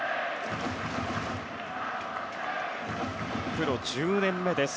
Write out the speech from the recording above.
プロ１０年目です。